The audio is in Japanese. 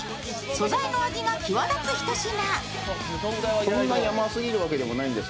素材の味が際立つひと品。